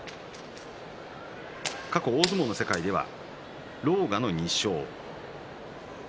過去、大相撲の世界では狼雅の２勝です。